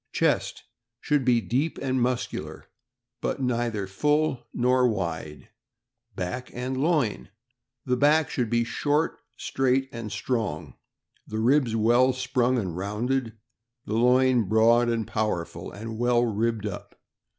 Chest. — Should be deep and muscular, but neither full nor wide. Back and loin. — The back should be short, straight, and strong ; the ribs well sprung and rounded; the loin broad and powerful, and well ribbed up.